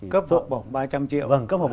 cấp học bổng ba trăm linh triệu